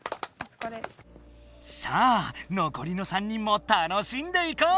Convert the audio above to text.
さあのこりのさんにんも楽しんでいこう！